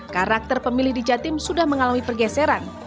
karakter pemilih di jatim sudah mengalami pergeseran